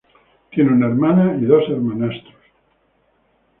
Tiene una hermana y dos hermanastros.